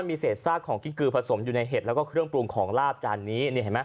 มีเสจซากของกิ้งกื่ผสมอยู่ในเห็ดและเครื่องปรุงของลาบจานนี้